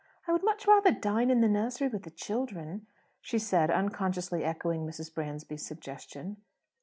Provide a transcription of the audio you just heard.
"I would much rather dine in the nursery with the children," she said, unconsciously echoing Mrs. Bransby's suggestion.